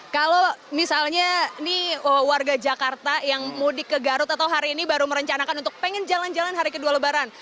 kalau misalnya ini warga jakarta yang mudik ke garut atau hari ini baru merencanakan untuk pengen jalan jalan hari kedua lebaran